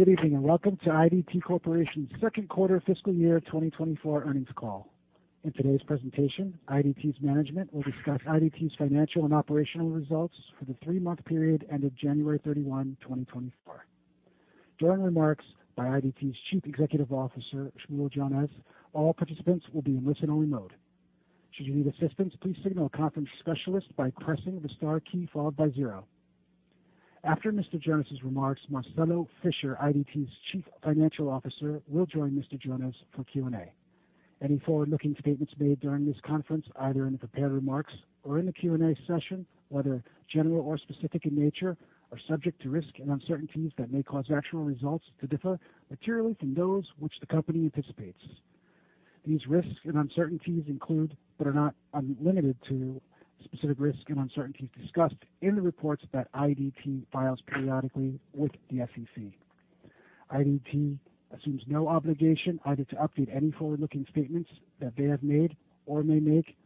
Good evening and Welcome to IDT Corporation's Second Quarter Fiscal Year 2024 Earnings Call. In today's presentation, IDT's management will discuss IDT's financial and operational results for the three-month period ended January 31, 2024. During remarks by IDT's Chief Executive Officer, Shmuel Jonas, all participants will be in listen-only mode. Should you need assistance, please signal a conference specialist by pressing the star key followed by zero. After Mr. Jonas's remarks, Marcelo Fischer, IDT's Chief Financial Officer, will join Mr. Jonas for Q&A. Any forward-looking statements made during this conference, either in the prepared remarks or in the Q&A session, whether general or specific in nature, are subject to risk and uncertainties that may cause actual results to differ materially from those which the company anticipates. These risks and uncertainties include but are not limited to specific risks and uncertainties discussed in the reports that IDT files periodically with the SEC. IDT assumes no obligation either to update any forward-looking statements that they have made or may make,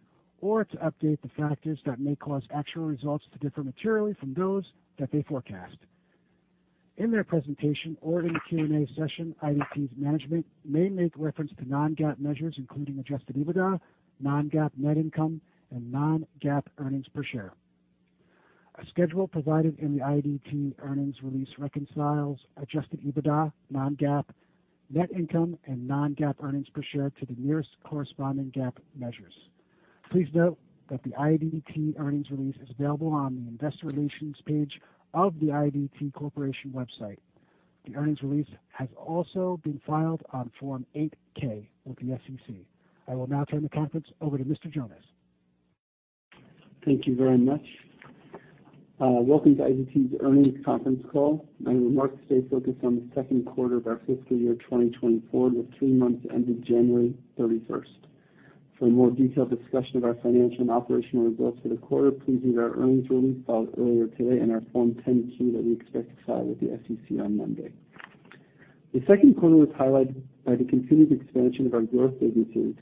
or to update the factors that may cause actual results to differ materially from those that they forecast. In their presentation or in the Q&A session, IDT's management may make reference to non-GAAP measures including Adjusted EBITDA, non-GAAP net income, and non-GAAP earnings per share. A schedule provided in the IDT earnings release reconciles Adjusted EBITDA, non-GAAP net income, and non-GAAP earnings per share to the nearest corresponding GAAP measures. Please note that the IDT earnings release is available on the investor relations page of the IDT Corporation website. The earnings release has also been filed on Form 8-K with the SEC. I will now turn the conference over to Mr. Jonas. Thank you very much. Welcome to IDT's earnings conference call. Our remarks today focus on the second quarter of our fiscal year 2024, with three months ended January 31st. For a more detailed discussion of our financial and operational results for the quarter, please view our earnings release filed earlier today and our Form 10-Q that we expect to file with the SEC on Monday. The second quarter was highlighted by the continued expansion of our growth businesses,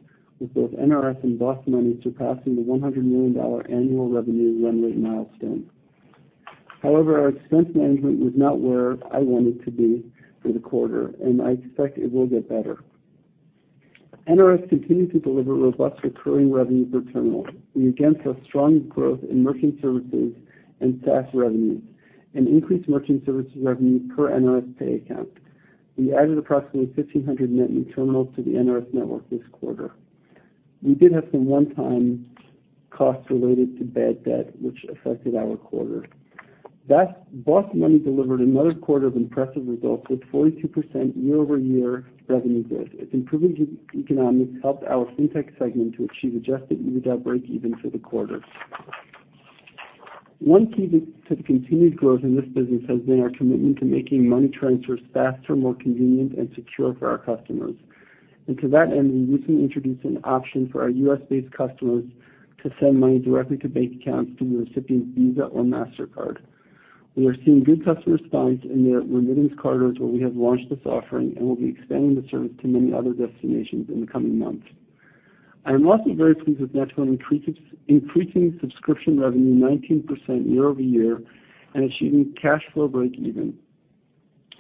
with both NRS and BOSS Money surpassing the $100 million annual revenue run rate milestone. However, our expense management was not where I wanted to be for the quarter, and I expect it will get better. NRS continued to deliver robust recurring revenue per terminal. We again saw strong growth in merchant services and SaaS revenue, an increased merchant services revenue per NRS Pay account. We added approximately 1,500 net new terminals to the NRS network this quarter. We did have some one-time costs related to bad debt, which affected our quarter. BOSS Money delivered another quarter of impressive results with 42% year-over-year revenue growth. Its improving economics helped our Fintech segment to achieve Adjusted EBITDA break-even for the quarter. One key to the continued growth in this business has been our commitment to making money transfers faster, more convenient, and secure for our customers. And to that end, we recently introduced an option for our U.S.-based customers to send money directly to bank accounts through the recipient's Visa or Mastercard. We are seeing good customer response in the remittance corridors where we have launched this offering and will be expanding the service to many other destinations in the coming months. I am also very pleased with net2phone increasing subscription revenue 19% year-over-year and achieving cash flow break-even,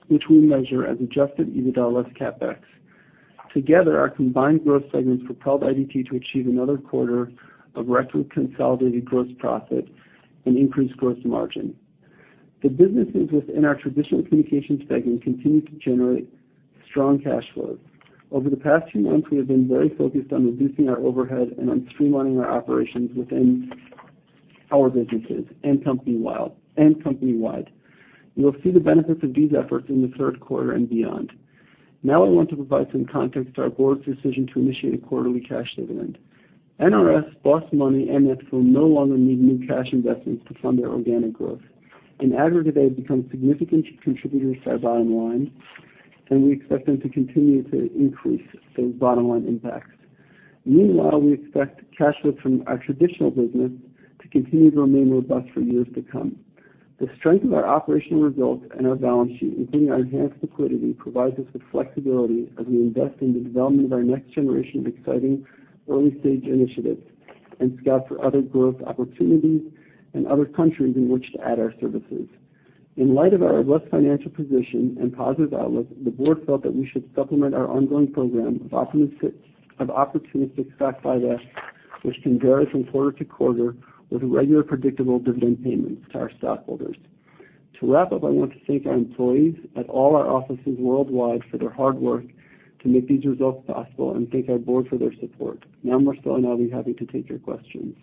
which we measure as Adjusted EBITDA less CapEx. Together, our combined growth segments propelled IDT to achieve another quarter of record consolidated gross profit and increased gross margin. The businesses within our traditional communications segment continue to generate strong cash flows. Over the past few months, we have been very focused on reducing our overhead and on streamlining our operations within our businesses and company-wide. You will see the benefits of these efforts in the third quarter and beyond. Now I want to provide some context to our board's decision to initiate a quarterly cash dividend. NRS, BOSS Money, and net2phone no longer need new cash investments to fund their organic growth. In aggregate, they have become significant contributors to our bottom line, and we expect them to continue to increase those bottom line impacts. Meanwhile, we expect cash flows from our traditional business to continue to remain robust for years to come. The strength of our operational results and our balance sheet, including our enhanced liquidity, provides us with flexibility as we invest in the development of our next generation of exciting early-stage initiatives and scout for other growth opportunities in other countries in which to add our services. In light of our robust financial position and positive outlook, the board felt that we should supplement our ongoing program of opportunistic stock buybacks, which can vary from quarter to quarter with regular predictable dividend payments to our stockholders. To wrap up, I want to thank our employees at all our offices worldwide for their hard work to make these results possible and thank our board for their support. Now, Marcelo, and I will be happy to take your questions.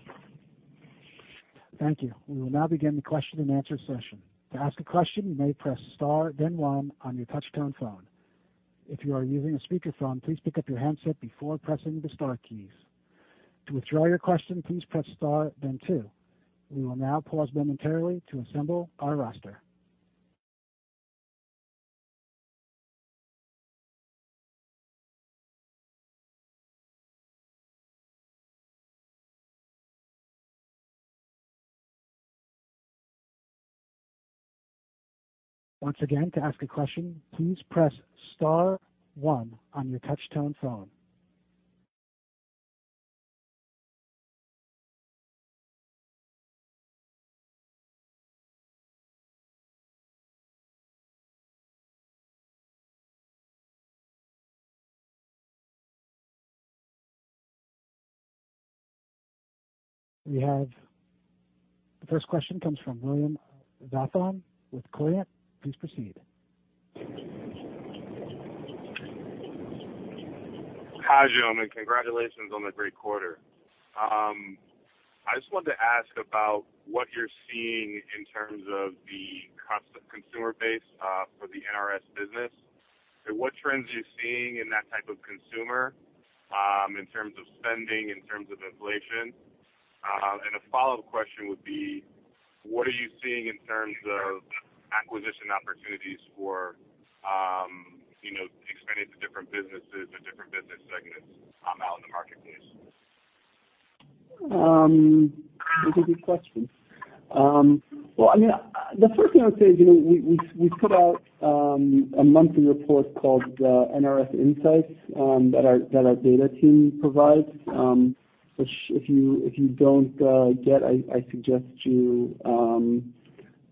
Thank you. We will now begin the question and answer session. To ask a question, you may press star, then one, on your touchscreen phone. If you are using a speakerphone, please pick up your handset before pressing the star keys. To withdraw your question, please press star, then two. We will now pause momentarily to assemble our roster. Once again, to ask a question, please press star, one, on your touchscreen phone. We have the first question comes from William Vaughan with Corient. Please proceed. Hi, gentlemen. Congratulations on the great quarter. I just wanted to ask about what you're seeing in terms of the consumer base for the NRS business. What trends are you seeing in that type of consumer in terms of spending, in terms of inflation? And a follow-up question would be, what are you seeing in terms of acquisition opportunities for expanding to different businesses or different business segments out in the marketplace? That's a good question. Well, I mean, the first thing I would say is we've put out a monthly report called NRS Insights that our data team provides, which if you don't get, I suggest you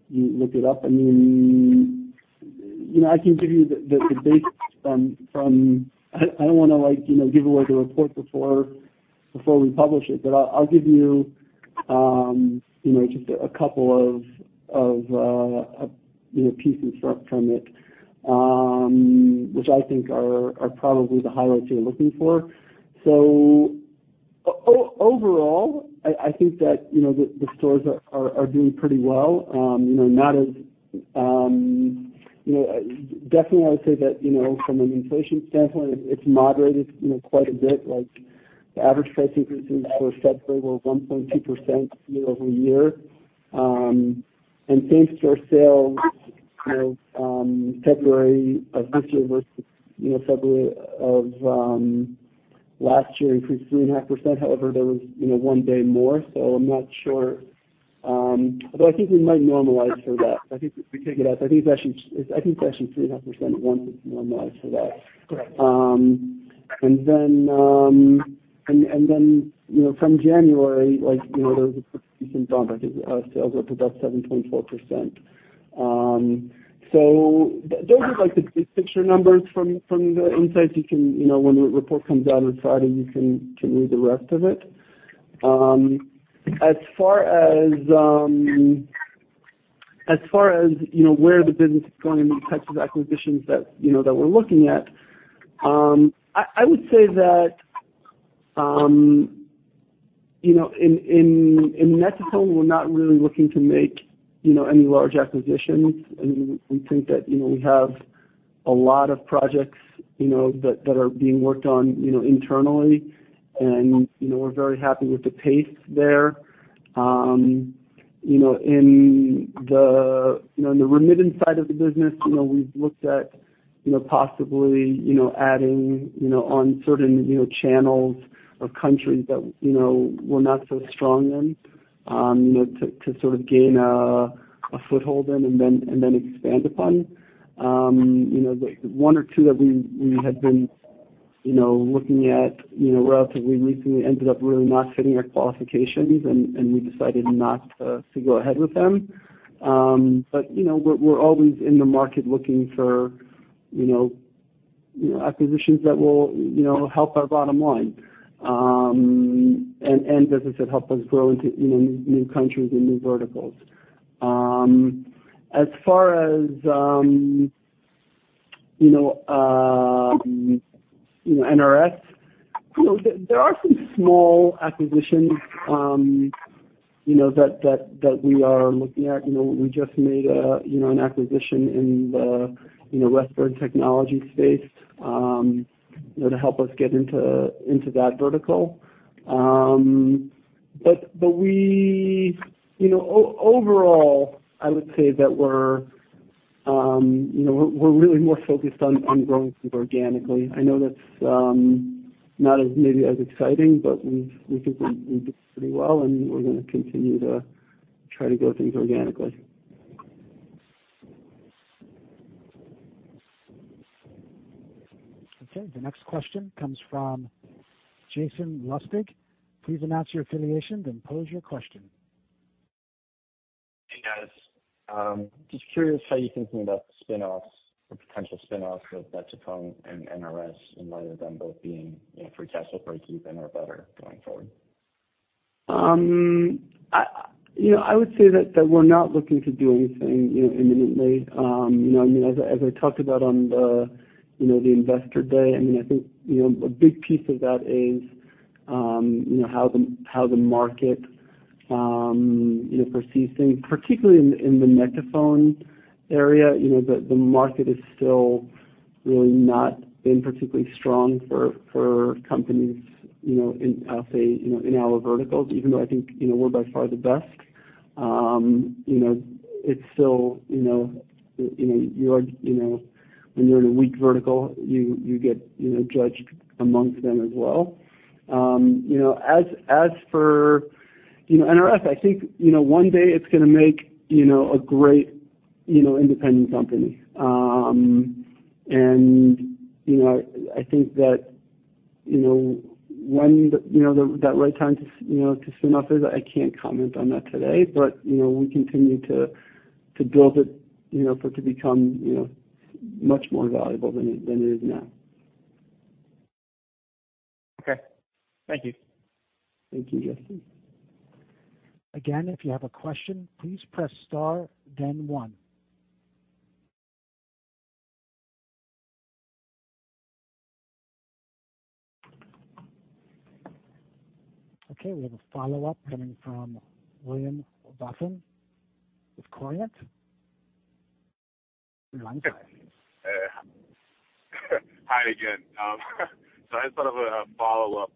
look it up. I mean, I can give you the basics from I don't want to give away the report before we publish it, but I'll give you just a couple of pieces from it, which I think are probably the highlights you're looking for. So overall, I think that the stores are doing pretty well, not as definitely, I would say that from an inflation standpoint, it's moderated quite a bit. The average price increases for February were 1.2% year-over-year. Same-store sales February of this year versus February of last year increased 3.5%. However, there was one day more, so I'm not sure. Although I think we might normalize for that. I think we take it as I think it's actually 3.5% once it's normalized for that. And then from January, there was a pretty decent bump. I think sales were up about 7.4%. So those are the big picture numbers from the insights. When the report comes out on Friday, you can read the rest of it. As far as where the business is going in these types of acquisitions that we're looking at, I would say that in net2phone, we're not really looking to make any large acquisitions. I mean, we think that we have a lot of projects that are being worked on internally, and we're very happy with the pace there. In the remittance side of the business, we've looked at possibly adding on certain channels of countries that we're not so strong in to sort of gain a foothold in and then expand upon. The one or two that we had been looking at relatively recently ended up really not fitting our qualifications, and we decided not to go ahead with them. But we're always in the market looking for acquisitions that will help our bottom line and, as I said, help us grow into new countries and new verticals. As far as NRS, there are some small acquisitions that we are looking at. We just made an acquisition in the restaurant technology space to help us get into that vertical. But overall, I would say that we're really more focused on growing things organically. I know that's not maybe as exciting, but we think we're doing pretty well, and we're going to continue to try to grow things organically. Okay. The next question comes from Jason Lustig. Please announce your affiliation then pose your question. Hey guys. Just curious how you're thinking about spin-offs or potential spin-offs with net2phone and NRS in light of them both being free cash flow break-even or better going forward? I would say that we're not looking to do anything imminently. I mean, as I talked about on the investor day, I mean, I think a big piece of that is how the market perceives things. Particularly in the net2phone area, the market has still really not been particularly strong for companies, I'll say, in our verticals, even though I think we're by far the best. It's still you are when you're in a weak vertical, you get judged amongst them as well. As for NRS, I think one day it's going to make a great independent company. I think that when that right time to spin off is, I can't comment on that today, but we continue to build it for it to become much more valuable than it is now. Okay. Thank you. Thank you, Jason. Again, if you have a question, please press star, then one. Okay. We have a follow-up coming from William Vaughan with Corient. You're on the line. Hi again. So I just thought of a follow-up.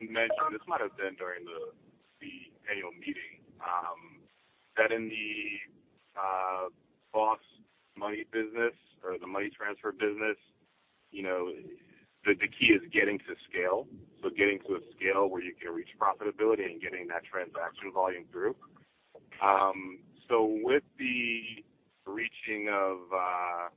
You mentioned this might have been during the annual meeting, that in the BOSS Money business or the money transfer business, the key is getting to scale. So getting to a scale where you can reach profitability and getting that transaction volume through. So with the reaching of, I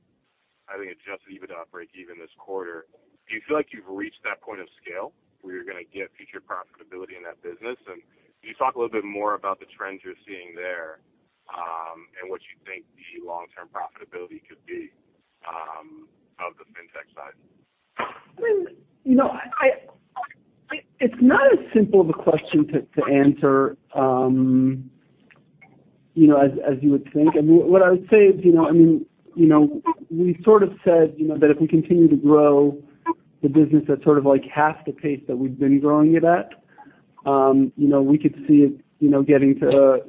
think, Adjusted EBITDA break-even this quarter, do you feel like you've reached that point of scale where you're going to get future profitability in that business? And can you talk a little bit more about the trends you're seeing there and what you think the long-term profitability could be of the Fintech side? I mean, it's not as simple of a question to answer as you would think. I mean, what I would say is, I mean, we sort of said that if we continue to grow the business at sort of half the pace that we've been growing it at, we could see it getting to,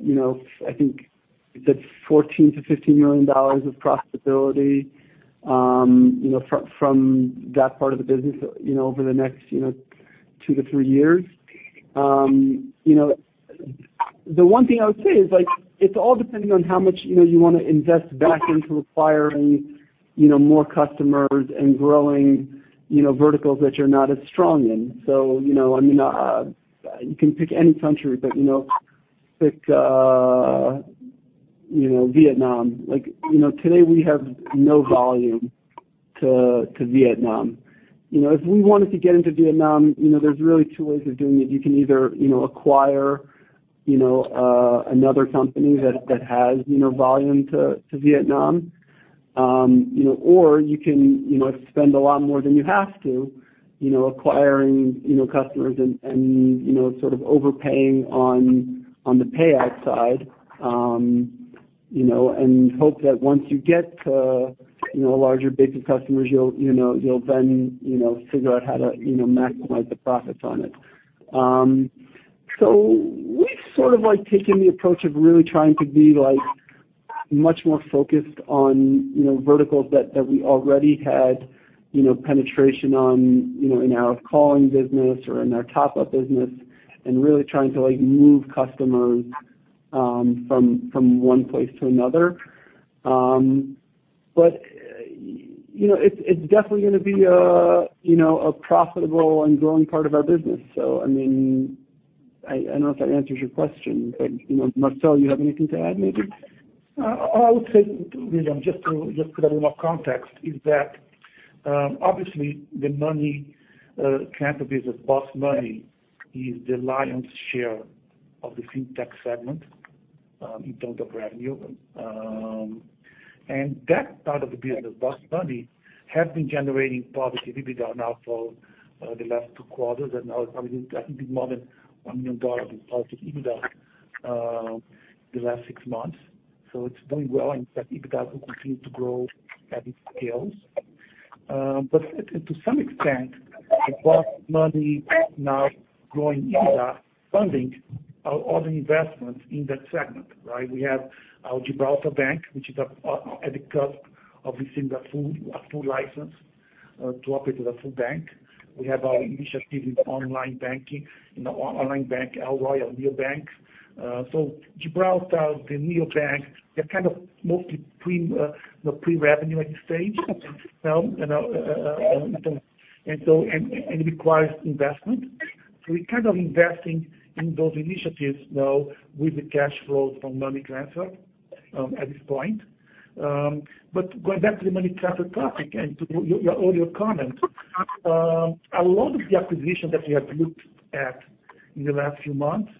I think you said $14 million-$15 million of profitability from that part of the business over the next two to three years. The one thing I would say is it's all depending on how much you want to invest back into acquiring more customers and growing verticals that you're not as strong in. So I mean, you can pick any country, but pick Vietnam. Today, we have no volume to Vietnam. If we wanted to get into Vietnam, there's really two ways of doing it. You can either acquire another company that has volume to Vietnam, or you can spend a lot more than you have to acquiring customers and sort of overpaying on the payout side and hope that once you get to a larger base of customers, you'll then figure out how to maximize the profits on it. So we've sort of taken the approach of really trying to be much more focused on verticals that we already had penetration on in our calling business or in our top-up business and really trying to move customers from one place to another. But it's definitely going to be a profitable and growing part of our business. So I mean, I don't know if that answers your question, but Marcelo, you have anything to add maybe? I would say, William, just to add a little more context, is that obviously, the BOSS Money business, BOSS Money, is the lion's share of the fintech segment in terms of revenue. That part of the business, BOSS Money, has been generating positive EBITDA now for the last two quarters. And I mean, I think it's more than $1 million in positive EBITDA the last six months. So it's doing well, and that EBITDA will continue to grow as it scales. But to some extent, the BOSS Money now growing EBITDA funding all the investments in that segment, right? We have our Gibraltar Bank, which is at the cusp of receiving a full license to operate as a full bank. We have our initiative in online banking, our Rayo. So Gibraltar, Rayo, they're kind of mostly pre-revenue at this stage. And so it requires investment. So we're kind of investing in those initiatives now with the cash flows from money transfer at this point. But going back to the money transfer topic and to earlier comment, a lot of the acquisitions that we have looked at in the last few months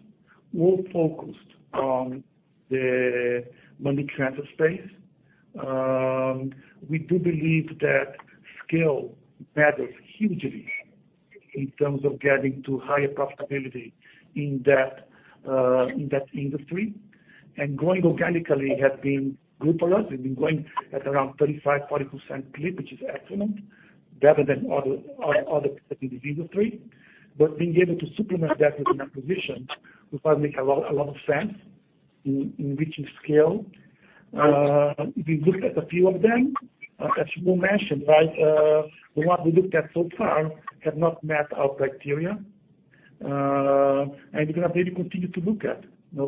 were focused on the money transfer space. We do believe that scale matters hugely in terms of getting to higher profitability in that industry. And growing organically has been good for us. We've been going at around 35%-40% clip, which is excellent, better than other companies in this industry. But being able to supplement that with an acquisition would probably make a lot of sense in reaching scale. We looked at a few of them. As you mentioned, right, the ones we looked at so far have not met our criteria. We're going to maybe continue to look at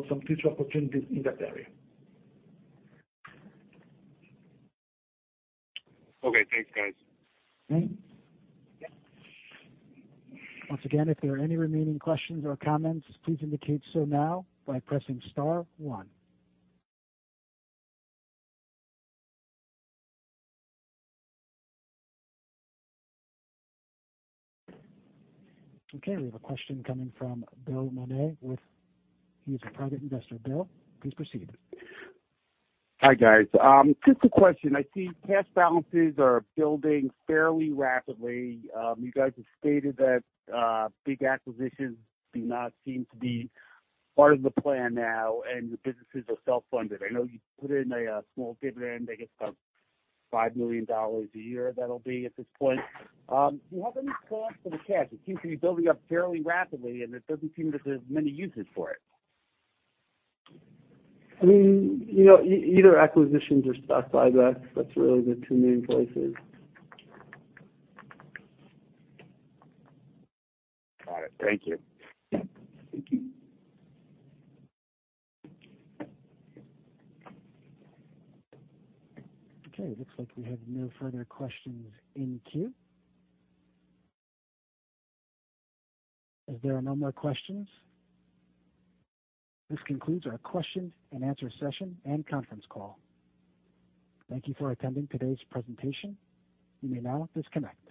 some future opportunities in that area. Okay. Thanks, guys. All right. Once again, if there are any remaining questions or comments, please indicate so now by pressing star one. Okay. We have a question coming from Bill Monet. He's a private investor. Bill, please proceed. Hi, guys. Just a question. I see cash balances are building fairly rapidly. You guys have stated that big acquisitions do not seem to be part of the plan now, and your businesses are self-funded. I know you put in a small dividend, I guess, about $5 million a year that'll be at this point. Do you have any plans for the cash? It seems to be building up fairly rapidly, and it doesn't seem that there's many uses for it. I mean, either acquisitions or stock buybacks, that's really the two main places. Got it. Thank you. Thank you. Okay. It looks like we have no further questions in queue. Is there no more questions? This concludes our question and answer session and conference call. Thank you for attending today's presentation. You may now disconnect.